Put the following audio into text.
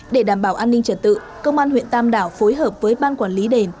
để đảm bảo an ninh trật tự công an huyện tam đảo phối hợp với ban quản lý đền